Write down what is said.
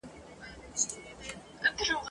د نارینه سره سیالي نه سي کولای